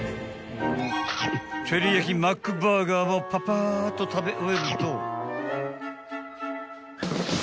［てりやきマックバーガーもパパーッと食べ終えると］